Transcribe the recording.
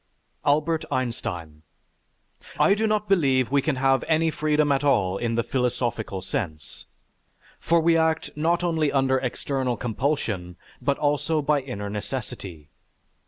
ALBERT EINSTEIN I do not believe we can have any freedom at all in the philosophical sense, for we act not only under external compulsion, but also by inner necessity....